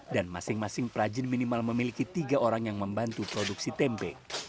dan masing masing prajin minimal memiliki tiga orang yang membantu produksi tempe